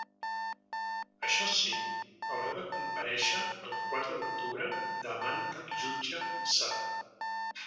Això sí, haurà de comparèixer el quatre d’octubre davant del jutge sard.